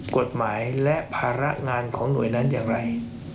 กฎหมายและภาระงานของหน่วยนั้นอย่างไร